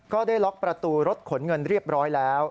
ก็ได้ล็อกประตูรถขนเงินเรียบร้อยแล้ว